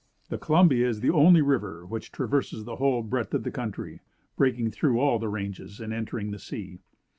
The Columbia is the only river which traverses the whole breadth of the country, breaking through all the ranges, and entering the sea.